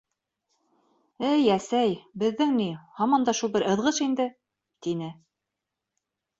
— Эй, әсәй, беҙҙең ни, һаман да шул бер ыҙғыш инде, — тине.